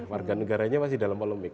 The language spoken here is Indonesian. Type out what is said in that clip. warga negaranya masih dalam polemik